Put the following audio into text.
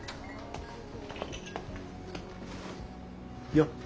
よっ。